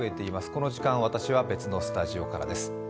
この時間、私は別のスタジオからです。